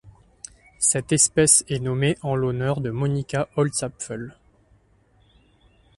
Cette espèce est nommée en l'honneur de Monika Holzapfel.